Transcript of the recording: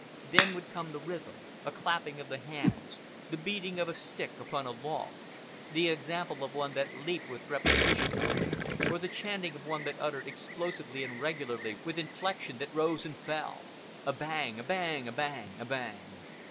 Then would come the rhythm—a clapping of hands; the beating of a stick upon a log; the example of one that leaped with repetitions; or the chanting of one that uttered, explosively and regularly, with inflection that rose and fell, "A bang, a bang! A bang, a bang!"